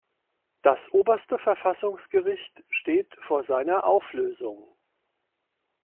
Das Oberste Verfassungsgericht steht vor seiner Auflösung.